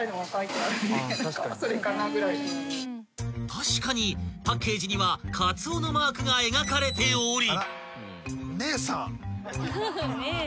［確かにパッケージにはかつおのマークが描かれており］